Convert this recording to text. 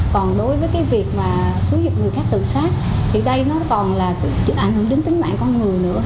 còn đối với cái việc mà xử dụng người khác tự sát thì đây nó còn là trực ảnh hưởng đến tính mạng con người nữa